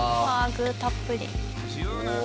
具たっぷりうわ